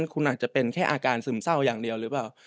แค่อาการซึมเศร้าอย่างเดียวหรือเปล่า